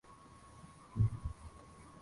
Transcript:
mkubwa wa Venezuela ni Orinoco wenye urefu